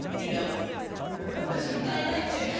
私歌えないって。